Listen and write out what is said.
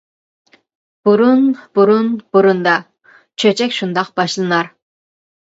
-بۇرۇن، بۇرۇن، بۇرۇندا. چۆچەك شۇنداق باشلىنار.